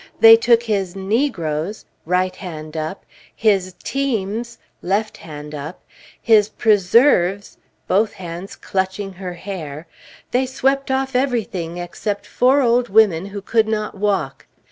"They took his negroes [right hand up]; his teams [left hand up]; his preserves [both hands clutching her hair]; they swept off everything, except four old women who could not walk!